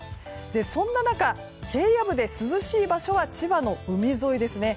そんな中、平野部で涼しい場所は千葉の海沿いですね。